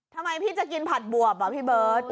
ทำไมพี่จะกินผัดบวบอ่ะพี่เบิร์ต